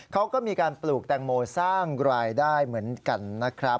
เขาก็มีการปลูกแตงโมสร้างรายได้เหมือนกันนะครับ